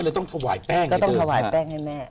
ก็เลยต้องถวายแป้งให้เติม